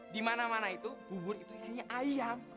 di mana mana itu bubur itu isinya ayam